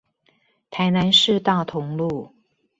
台南市大同路